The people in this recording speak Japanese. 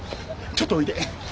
ちょっとおいで。